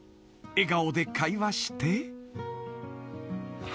［笑顔で会話して］